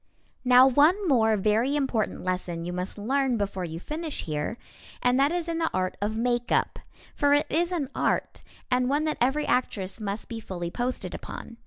Now one more very important lesson you must learn before you finish here, and that is in the art of makeup. For it is an art, and one that every actress must be fully posted upon.